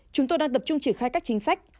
chúng tôi đang tập trung triển khai các chính sách